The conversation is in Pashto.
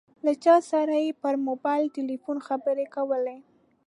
له چا سره یې پر موبایل ټیلیفون خبرې کولې.